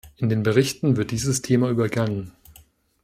In den Berichten wird dieses Thema übergangen.